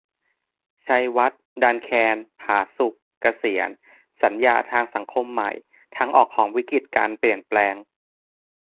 ชัยวัฒน์ ดันแคน ผาสุก เกษียร - สัญญาทางสังคมใหม่ : ทางออกของวิกฤติการเปลี่ยนแปลง